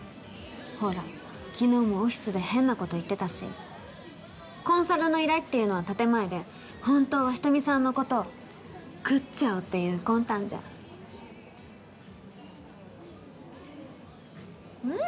ほら昨日もオフィスで変なこと言ってたしコンサルの依頼っていうのは建て前で本当は人見さんのこと食っちゃおうっていう魂胆じゃうん！